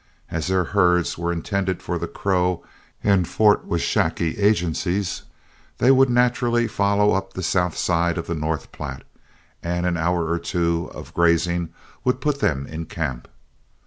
As their herds were intended for the Crow and Fort Washakie agencies, they would naturally follow up the south side of the North Platte, and an hour or two of grazing would put them in camp.